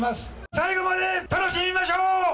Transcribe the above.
最後まで楽しみましょう。